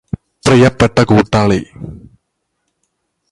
പ്രിയപ്പെട്ട കൂട്ടാളി